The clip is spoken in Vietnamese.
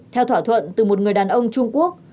theo thỏa thuận từ một người đàn ông trung quốc